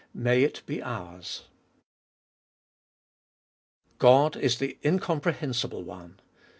May it be ours ! 1, God Is the incomprehensible One.